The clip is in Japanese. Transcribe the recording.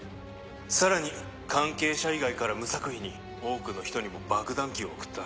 さらに関係者以外から無作為に多くの人にも爆弾キーを送った。